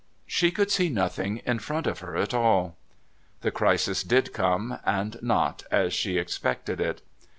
She could see nothing in front of her at all. The crisis did come, but not as she expected it.